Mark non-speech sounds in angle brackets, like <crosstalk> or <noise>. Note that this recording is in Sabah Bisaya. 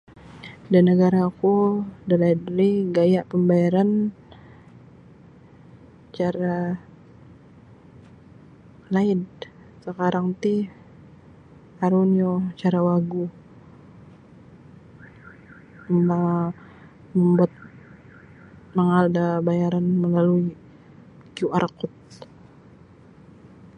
Da nagaraku dalaid rih gaya pambayaran cara laid sakarang ti aru nio cara wagu <noise> <unintelligible> mangaal da bayaran melalui QR code.